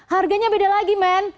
harganya beda lagi men